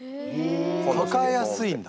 抱えやすいんだ